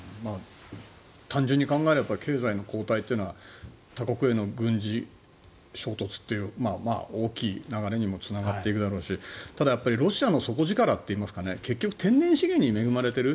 単純に考えれば経済の後退というのは他国での軍事衝突という大きい流れにもつながっていくだろうしただ、ロシアの底力といいますか結局、天然資源に恵まれている。